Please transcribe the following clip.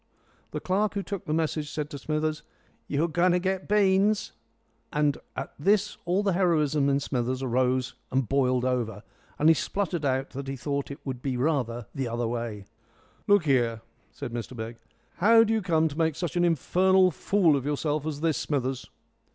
The clerk who took the message said to Smithers, "You're going to get beans." And at this all the heroism in Smithers arose and boiled over, and he spluttered out that he thought it would be rather the other way. "Look here," said Mr Begg, "how do you come to make such an infernal fool of yourself as this, Smithers?"